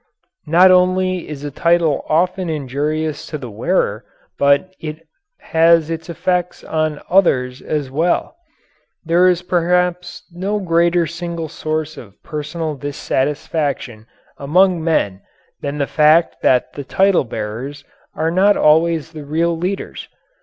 Not only is a title often injurious to the wearer, but it has its effect on others as well. There is perhaps no greater single source of personal dissatisfaction among men than the fact that the title bearers are not always the real leaders.